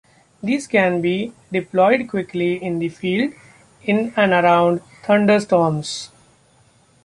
These can be deployed quickly in the field, in and around thunderstorms.